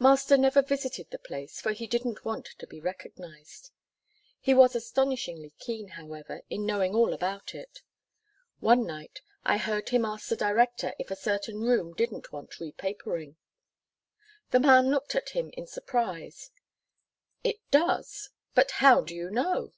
Master never visited the place, for he didn't want to be recognised. He was astonishingly keen, however, in knowing all about it. One night, I heard him ask the director if a certain room didn't want repapering. The man looked at him in surprise. "It does, but how do you know?"